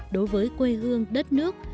đối với quê hương đất nước